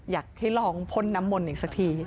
อยากให้ลองพ่นน้ำมนต์อีกสักที